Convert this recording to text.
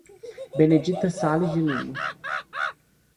Benedita Sales de Lima